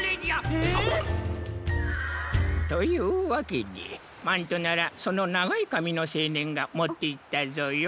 ええっ！？というわけでマントならそのながいかみのせいねんがもっていったぞよ。